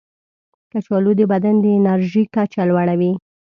کچالو د بدن د انرژي کچه لوړوي.